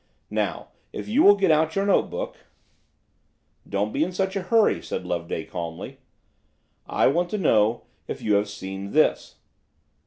Now, if you will get out your note book—" "Don't be in such a hurry," said Loveday calmly: "I want to know if you have seen this?"